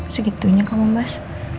segitunya kamu mas